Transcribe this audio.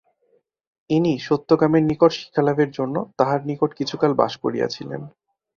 ইনি সত্যকামের নিকট শিক্ষালাভের জন্য তাঁহার নিকট কিছুকাল বাস করিয়াছিলেন।